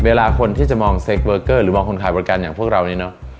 เวลาคนที่จะมองเซคเวอร์เกอร์หรือมองคนขายบริการอย่างพวกเรานี่เนอะ